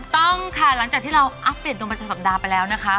ต้องค่ะหลังจากที่เราอัปเดตดวงประจำสัปดาห์ไปแล้วนะคะ